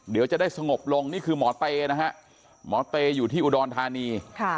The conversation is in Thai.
เดี๋ยวจะได้สงบลงนี่คือหมอเตนะฮะหมอเตอยู่ที่อุดรธานี